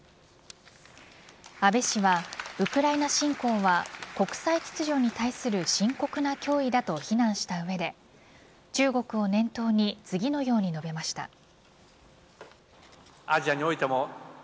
安倍氏はウクライナ侵攻は国際秩序に対する深刻な脅威だと非難した上で中国を念頭に次のように述べました。